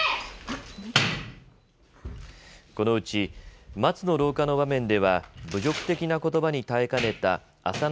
このうち松の廊下の場面では侮辱的なことばに耐えかねた浅野